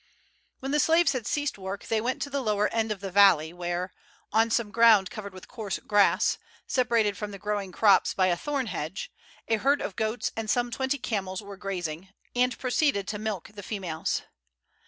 When the slaves had ceased work they went to the lower end of the valley, where, on some ground covered with coarse grass, separated from the growing crops by a thorn hedge, a herd of goats and some twenty camels were grazing, and proceeded to milk the females.